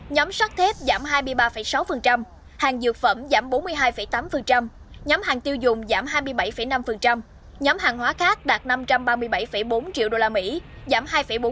nhóm sắt thép giảm hai mươi ba sáu hàng dược phẩm giảm bốn mươi hai tám nhóm hàng tiêu dùng giảm hai mươi bảy năm nhóm hàng hóa khác đạt năm trăm ba mươi bảy bốn triệu usd giảm hai bốn